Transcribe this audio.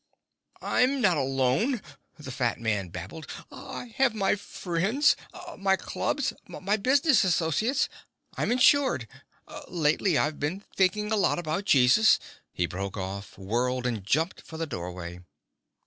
"I'm not alone," the fat man babbled. "I have my friends, my clubs, my business associates. I'm insured. Lately I've been thinking a lot about Jesus " He broke off, whirled, and jumped for the doorway.